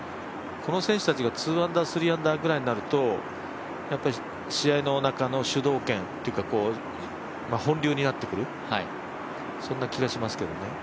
この選手たちが２アンダー３アンダーくらいになると、試合の主導権というか本流になってくるそんな気がしますけどね。